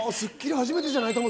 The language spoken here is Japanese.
初めてじゃない？